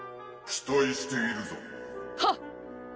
期待しているぞはっ！